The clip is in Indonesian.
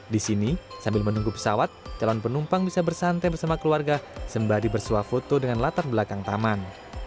di sini sambil menunggu pesawat calon penumpang bisa bersantai bersama keluarga sembari bersuah foto dengan latar belakang taman